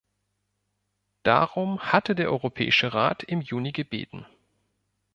Darum hatte der Europäische Rat im Juni gebeten.